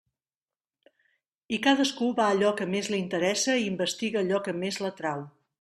I cadascú va a allò que més li interessa i investiga allò que més l'atrau.